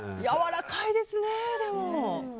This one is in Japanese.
やわらかいですね、でも。